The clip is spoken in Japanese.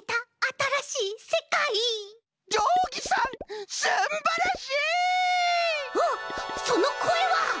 あっそのこえは！？